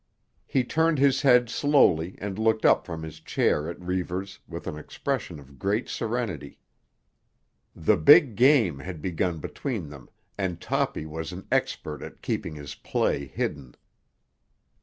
He turned his head slowly and looked up from his chair at Reivers with an expression of great serenity. The Big Game had begun between them, and Toppy was an expert at keeping his play hidden.